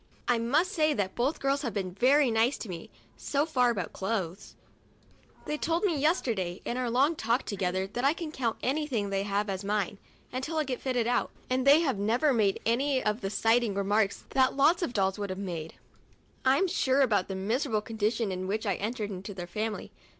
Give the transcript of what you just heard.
I must say that both girls have been very nice to me so far about clothes. They told me yesterday, in our long talk together, that I can count anything they have as mine, until I get fitted out, and they have never made any of the slighting remarks that lots of dolls would have made, I'm sure, about the miserable condition in which I entered into their family.